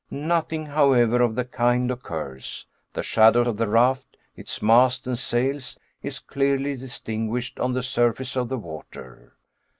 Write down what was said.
Nothing, however, of the kind occurs. The shadow of the raft, its mast and sails, is clearly distinguished on the surface of the water.